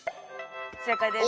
正解です。